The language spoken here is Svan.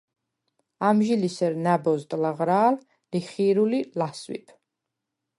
ამჟი ლი სერ ნა̈ბოზდ ლაღრა̄ლ, ლიხი̄რულ ი ლასვიბ.